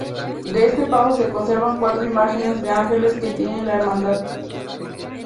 De este paso se conservan cuatro imágenes de ángeles que tiene la hermandad.